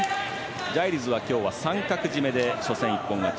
ジャイルズは今日は三角絞めで初戦、一本勝ち。